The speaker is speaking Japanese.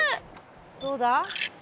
どうだ？